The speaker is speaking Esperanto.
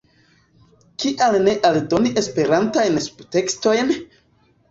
"Kial ne aldoni Esperantajn subtekstojn"?